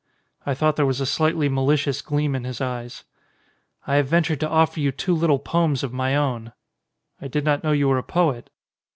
I thought there was a slightly malicious gleam in his eyes. "I have ventured to offer you two little poems of my own." "I did not know you were a poet."